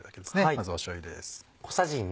まずしょうゆです。